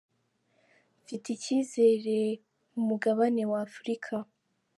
"Mfite icyizere mu mugabane wa Afrika.